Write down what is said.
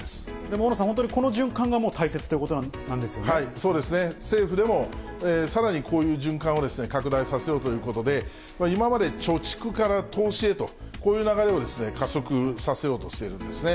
大野さん、本当にこの循環がそうですね、政府でも、さらにこういう循環を拡大させようということで、今まで貯蓄から投資へと、こういう流れを加速させようとしているんですね。